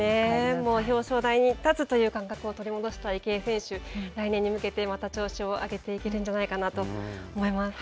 もう表彰台に立つという感覚を取り戻した池江選手、来年に向けて調子を上げていけるんじゃないかなと思います。